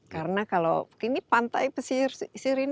karena kalau ini pantai pesir